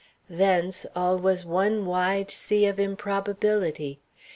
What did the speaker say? Thence all was one wide sea of improbability.